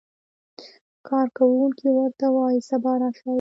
کارکوونکی ورته وایي سبا راشئ.